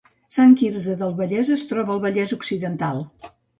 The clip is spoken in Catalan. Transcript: Sant Quirze del Vallès es troba al Vallès Occidental